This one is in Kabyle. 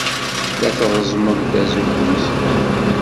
La treẓẓmem tazewwut.